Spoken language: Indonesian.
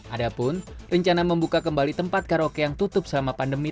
adapun rencana membuka kembali tempat karaoke yang tutup selama pandemi